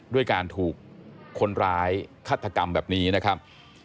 ด้วยการถูกคนร้ายฆาตกรรมแบบนี้นะครับ